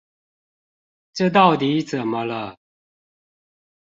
這到底怎麼了？